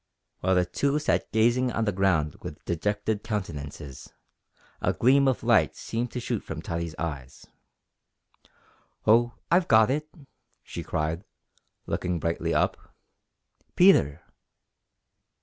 While the two sat gazing on the ground with dejected countenances, a gleam of light seemed to shoot from Tottie's eyes. "Oh! I've got it!" she cried, looking brightly up. "Peter!"